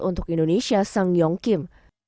untuk indonesia sang yong kim